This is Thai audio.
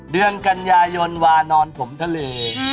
เดือนกัญญาโยนวานอนผมธาเลย